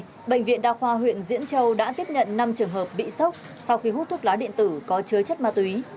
tại bệnh viện đa khoa huyện diễn châu đã tiếp nhận năm trường hợp bị sốc sau khi hút thuốc lá điện tử có chứa chất ma túy